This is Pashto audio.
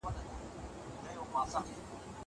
زه پرون مڼې وخوړلې.